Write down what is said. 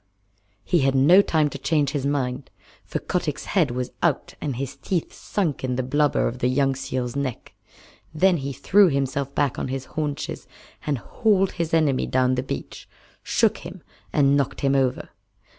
He had no time to change his mind, for Kotick's head was out and his teeth sunk in the blubber of the young seal's neck. Then he threw himself back on his haunches and hauled his enemy down the beach, shook him, and knocked him over.